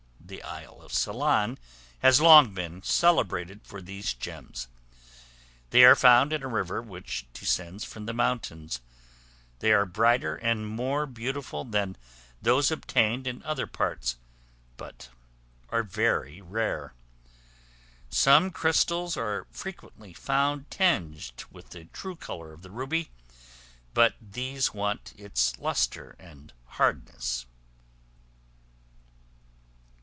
The Isle of Ceylon has long been celebrated for these gems; they are found in a river which descends from the mountains; they are brighter and more beautiful than those obtained in other parts, but are very rare. Some crystals are frequently found tinged with the true color of the ruby, but these want its lustre and hardness.